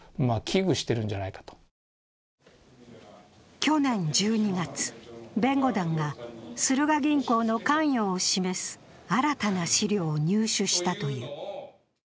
去年１２月、弁護団がスルガ銀行の関与を示す新たな資料を入手したという。